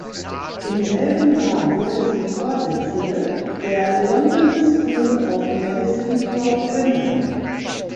Im selben Jahr wurde sie Vorsitzende der "London School of Medicine for Women".